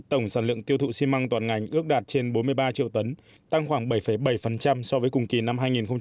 tổng sản lượng tiêu thụ xi măng toàn ngành ước đạt trên bốn mươi ba triệu tấn tăng khoảng bảy bảy so với cùng kỳ năm hai nghìn một mươi chín